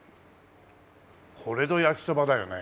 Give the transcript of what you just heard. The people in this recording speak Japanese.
これぞ焼きそばだよね。